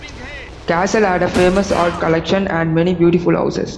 Cassel had a famous art collection and many beautiful houses.